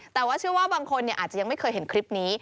แต่ว่าเชื่อว่าบางคนอาจจะยังไม่เคยเห็นคลิปนี้